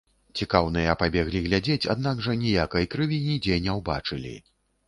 Цікаўныя пабеглі глядзець, аднак жа ніякай крыві нідзе не ўбачылі.